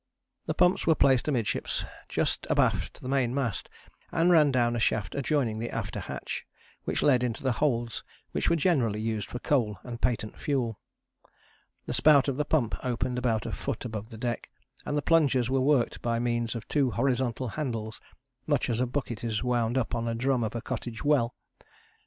The pumps were placed amidships, just abaft the main mast, and ran down a shaft adjoining the after hatch, which led into the holds which were generally used for coal and patent fuel. The spout of the pump opened about a foot above the deck, and the plungers were worked by means of two horizontal handles, much as a bucket is wound up on the drum of a cottage well.